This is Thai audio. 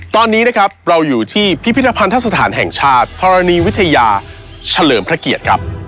ตอนนี้นะครับเราอยู่ที่พิพิธภัณฑสถานแห่งชาติธรณีวิทยาเฉลิมพระเกียรติครับ